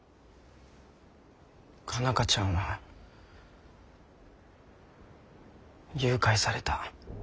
佳奈花ちゃんは誘拐された。